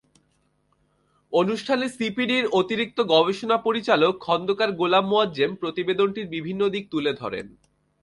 অনুষ্ঠানে সিপিডির অতিরিক্ত গবেষণা পরিচালক খন্দকার গোলাম মোয়াজ্জেম প্রতিবেদনটির বিভিন্ন দিক তুলে ধরেন।